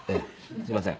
すいません」